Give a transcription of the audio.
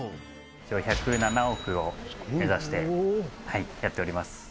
一応１０７億を目指してはいやっております